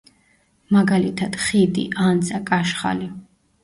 მაგალითად: ხიდი, ანძა, კაშხალი.